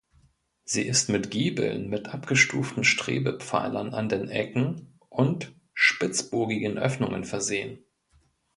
Sie ist mit Giebeln mit abgestuften Strebepfeilern an den Ecken und spitzbogigen Öffnungen versehen.